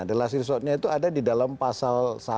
the last resortnya itu ada di dalam pasal satu